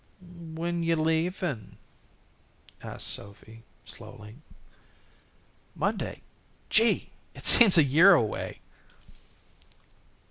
"When you leavin'?" asked Sophy, slowly. "Monday. Gee! it seems a year away."